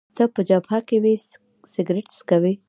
ته په جبهه کي وې، سګرېټ څکوې؟